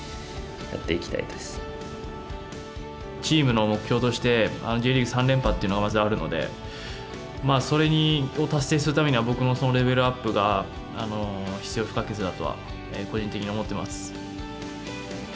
チームの目標としてＪリーグ３連覇っていうのがまずあるのでそれを達成するためには僕のレベルアップが必要不可欠だとは個人的に思ってます。